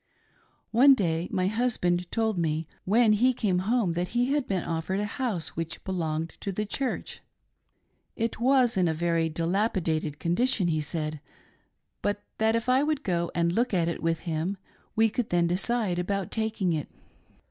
One day my husband told me, when he came home, that he had been offered a house which belonged to the Church. It was in a very dilapidated condition, he said, but that if I would go and look at it with him, we could then decide about taking it.